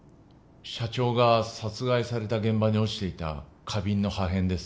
社長が殺害された現場に落ちていた花瓶の破片です